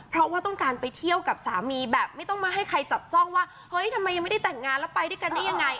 เพราะว่าต้องการไปเที่ยวกับสามีแบบไม่ต้องมาให้ใครจับจ้องว่าเฮ้ยทำไมยังไม่ได้แต่งงานแล้วไปด้วยกันได้ยังไง